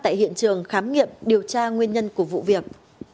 tại hiện trường khám nghiệm điều tra nguyên nhân của vụ việc